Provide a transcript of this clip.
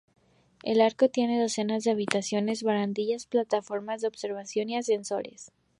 El arco tiene docenas de habitaciones, barandillas, plataformas de observación y ascensores.